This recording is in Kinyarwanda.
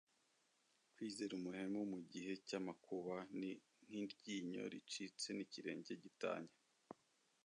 kwizera umuhemu mu gihe cy’amakuba, ni nk’iryinyo ricitse n’ikirenge gitanye